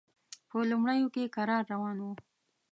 په لومړیو کې کرار روان و.